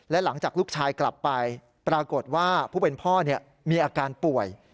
และหลังจากลูกชายกลับไปปรากฏว่าผู้เป็นพ่อมีอาการป่วย